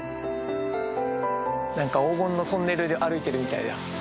何か黄金のトンネル歩いてるみたいだよ。